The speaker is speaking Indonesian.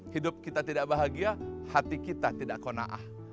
hidup kita tidak bahagia hati kita tidak kona'ah